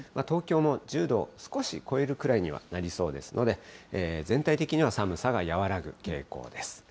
東京も１０度を少し超えるくらいにはなりそうですので、全体的には寒さが和らぐ傾向です。